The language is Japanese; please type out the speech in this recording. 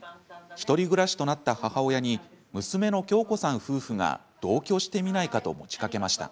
１人暮らしとなった母親に娘の恭子さん夫婦が同居してみないかと持ちかけました。